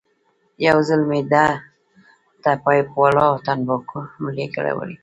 یو ځل مې ده ته پایپ والا تنباکو هم لېږلې وې.